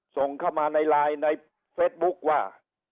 ส่งเข้ามาในไลน์ในเฟซบุ๊คว่า